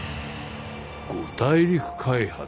「五大陸開発」？